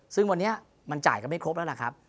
ซึ่งวันนี้มันจ่ายกันไม่ครบแล้วล่ะครับ